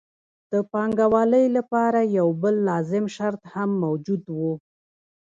د پانګوالۍ لپاره یو بل لازم شرط هم موجود وو